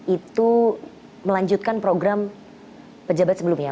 itu melanjutkan program pejabat sebelumnya